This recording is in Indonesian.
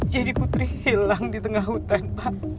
jadi putri hilang di tengah hutan pak